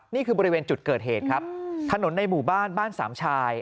นี่คือบริเวณจุดเกิดเหตุครับถนนในหมู่บ้านบ้านสามชาย